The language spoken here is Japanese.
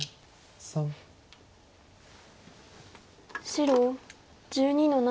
白１２の七。